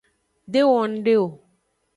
De wo ngde o.